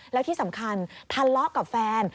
แล้วที่สำคัญทะเลาะกับแฟน